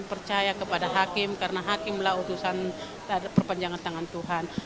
percaya kepada hakim karena hakimlah utusan perpanjangan tangan tuhan